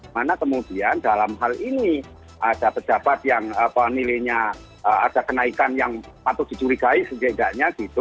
mana kemudian dalam hal ini ada pejabat yang nilainya ada kenaikan yang patut dicurigai setidaknya gitu